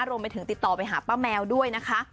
รวมไปถึงติดต่อไปหาป้าแมวด้วยนะคะ